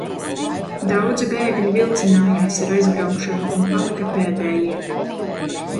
Daudzi bēgļi vilcinājās ar aizbraukšanu un palika pēdējie.